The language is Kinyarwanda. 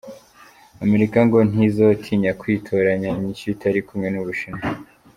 Amerika ngo ntizotinya kwitorana inyishu itari kumwe n'Ubushinwa.